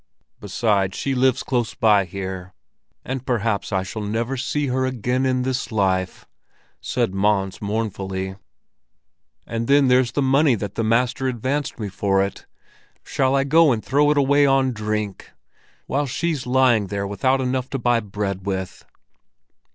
"Besides, she lives close by here, and perhaps I shall never see her again in this life," said Mons mournfully. "And then there's the money that the master advanced me for it. Shall I go and throw it away on drink, while she's lying there without enough to buy bread with?"